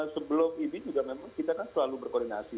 sebelum ini juga memang kita kan selalu berkoordinasi